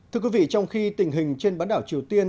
thưa quý vị trong khi tình hình trên bán đảo triều tiên